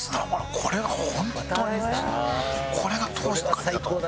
これがホントにこれが当時の感じだと思う。